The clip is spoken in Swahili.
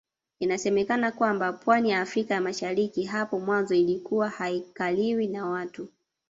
Inasemekana kwamba pwani ya Afrika ya Mashariki hapo mwanzo ilikuwa haikaliwi na watu